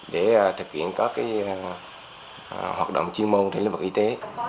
để thực hiện các hoạt động chuyên môn trên lĩnh vực y tế